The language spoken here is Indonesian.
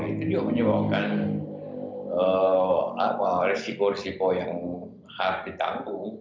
itu diawanya bahkan risiko risiko yang harus ditangguh